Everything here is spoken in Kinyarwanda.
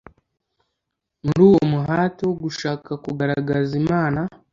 Muri uwo muhati wo gushaka kugaragaza Imana